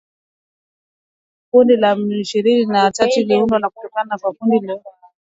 Kundi la M ishirini na tatu liliundwa kutoka kwa kundi lililokuwa likiongozwa na